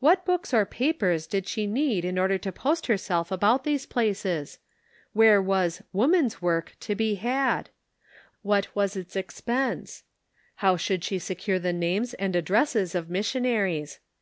What books or papers did she need in order to post herself about these places? Where was " Woman's Work " to be had ? What was its expense? How should she secure the names and addresses of missionaries